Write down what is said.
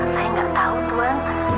saya gak tahu tuan